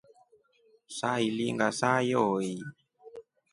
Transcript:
Sailinga saa yooyi.